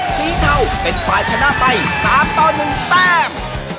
เทาเป็นฝ่ายชนะไป๓ต่อ๑แต้ม